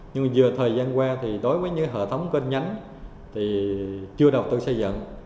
nhưng giờ thời gian qua thì đối với những hợp thống kênh nhánh thì chưa đầu tư xây dựng